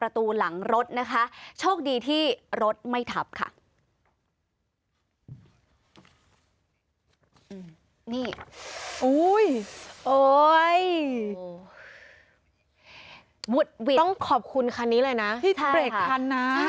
ที่เปลี่ยนคันน้า